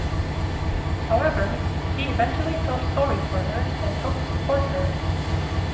However, he eventually felt sorry for her and helped support her.